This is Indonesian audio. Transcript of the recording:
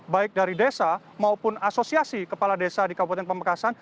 baik dari desa maupun asosiasi kepala desa di kabupaten pamekasan